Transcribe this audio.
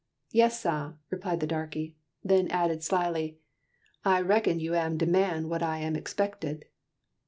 "Yes, sah," replied the darkey, then added slyly, "I recon you am de man what am expected."